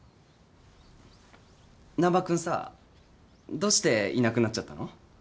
難破君さどうしていなくなっちゃったの？